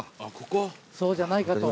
そうじゃないかと。